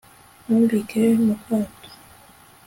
ntumbike mu kato